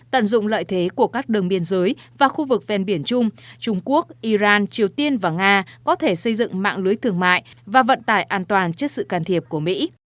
tận dụng lợi thế của các đường biên giới và khu vực ven biển trung trung quốc iran triều tiên và nga có thể xây dựng mạng lưới thương mại và vận tải an toàn trước sự can thiệp của mỹ